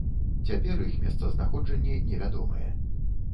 Цяпер іх месцазнаходжанне невядомае.